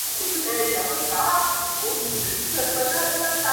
خبر سوم چي یو څرک یې لېونیو دی میندلی،